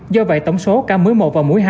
do vậy tổng số ca mối một và mũi hai